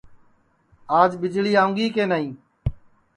آج ٻجݪی آؤںگی کے نائی